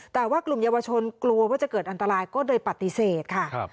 แต่ว่ากลุ่มเยาวชนกลัวว่าจะเกิดอันตรายก็เลยปฏิเสธค่ะ